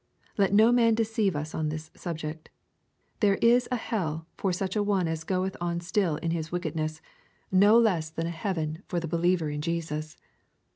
Let no m.in deceive us on this subject. There is a hell for such an one as goeth on still in his wickedness, no less than a L 92 EXPOSITORY THOUGHTS, heaven for the heliever in Jesus.